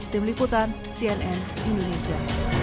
tim liputan cnn indonesia